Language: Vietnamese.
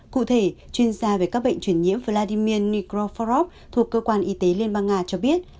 cụ thể chuyên gia về các bệnh truyền nhiễm vladimir nigrofarob thuộc cơ quan y tế liên bang nga cho biết